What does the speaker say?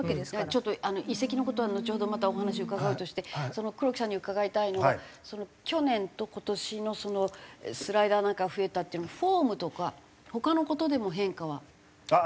ちょっと移籍の事はのちほどまたお話伺うとして黒木さんに伺いたいのが去年と今年のスライダーなんかが増えたっていうのフォームとか他の事でも変化は？あっありますね。